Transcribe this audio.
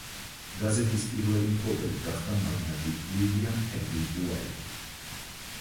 გაზეთის პირველი მფლობელი გახდა მაგნატი უილიამ ჰენრი უაითი.